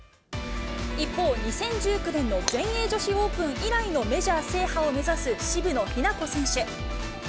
一方、２０１９年の全英女子オープン以来のメジャー制覇を目指す渋野日向子選手。